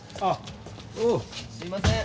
すいません